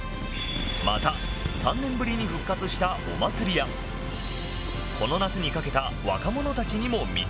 また３年ぶりに復活したお祭りやこの夏に懸けた若者たちにも密着。